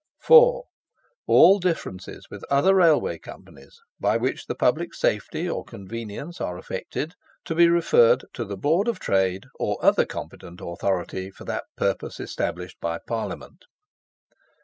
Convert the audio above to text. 4. All differences with other Railway Companies, by which the public safety or convenience are affected, to be referred to the Board of Trade, or other competent authority for that purpose established by Parliament.